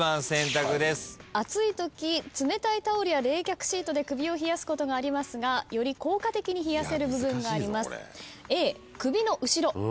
暑いとき冷たいタオルや冷却シートで首を冷やすことがありますがより効果的に冷やせる部分があります。